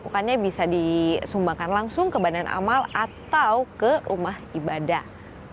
bukannya bisa disumbangkan langsung ke badan amal atau ke rumah ibadah